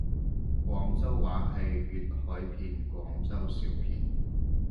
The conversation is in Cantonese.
廣州話係粵海片廣州小片